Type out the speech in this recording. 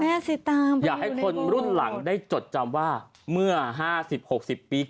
แม่สี่ตางอยากให้คนรุ่นหลังได้จดจำว่าเมื่อห้าสิบหกสิบปีก่อน